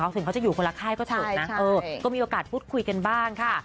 ถึงเขาจะอยู่คนละค่ายก็สุดนะก็มีโอกาสพูดคุยกันบ้างค่ะ